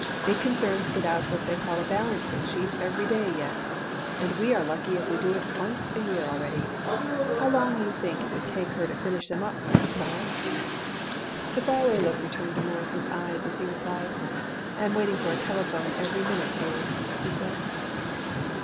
Big concerns get out what they call a balancing sheet every day yet, and we are lucky if we do it oncet a year already. How long do you think it would take her to finish 'em up, Mawruss?" The far away look returned to Morris' eyes as he replied. "I am waiting for a telephone every minute, Abe," he said.